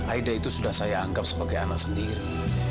aida itu sudah saya anggap sebagai anak sendiri